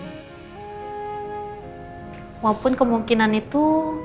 walaupun kemungkinan itu